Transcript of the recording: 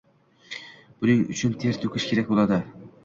buning uchun ter to‘kish kerak bo‘ladi.